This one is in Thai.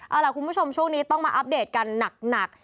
เอาล่ะคุณผู้ชมช่วงนี้ต้องมาอัปเดตกันหนัก